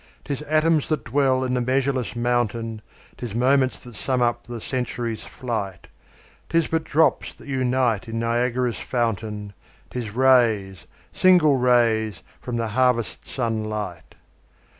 'Tis atoms that dwell in the measureless mountain, 'Tis moments that sum up the century's flight; 'Tis but drops that unite in Niagara's fountain, 'Tis rays, single rays, from the harvest sun light.